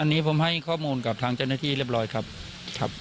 อันนี้ผมให้ข้อมูลกับทางเจ้าหน้าที่เรียบร้อยครับครับ